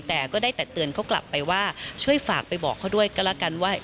แต่ก็ได้แต่เตือนเขากลับไปว่าช่วยฝากไปบอกเขาด้วยก็แล้วกันว่า